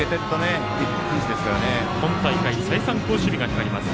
今大会再三、好守備が光ります。